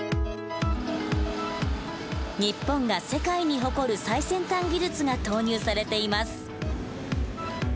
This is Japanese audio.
日本が世界に誇る最先端技術が投入されています。